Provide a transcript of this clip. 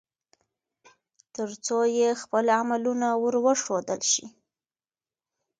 ترڅو يې خپل عملونه ور وښودل شي